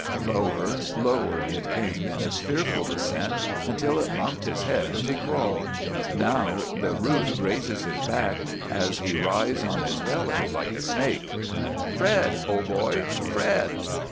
Lower, lower it came in its fearful descent, until it bumped his head as he crawled. Now the roof grazes his back as he writhes on his belly like a snake. "Fred! Old boy! Fred!"